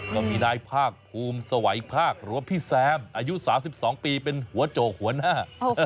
ก็มีนายภาคภูมิสวัยภาคหรือว่าพี่แซมอายุ๓๒ปีเป็นหัวโจกหัวหน้า